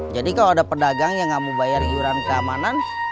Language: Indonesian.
jadi kalau ada pedagang yang gak mau bayar iuran keamanan